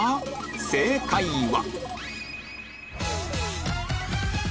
正解は？